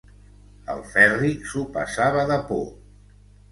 El Ferri s'ho passava de por.